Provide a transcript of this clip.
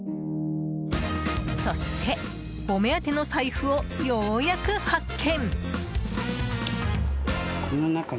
そして、お目当ての財布をようやく発見。